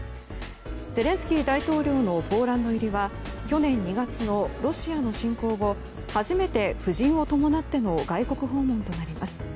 ゼレンスキー大統領のポーランド入りは、去年２月のロシアの侵攻後初めて夫人を伴っての外国訪問となります。